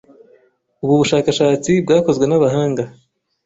Ubu bushakashatsi bwakozwe n’abahanga